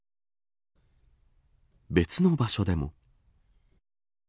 別の場所でも。